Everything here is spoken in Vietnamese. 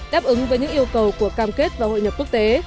đáp ứng với những yêu cầu của cam kết và hội nhập quốc tế